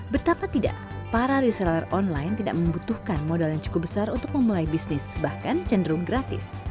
betapa tidak para reseller online tidak membutuhkan modal yang cukup besar untuk memulai bisnis bahkan cenderung gratis